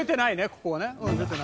ここはね。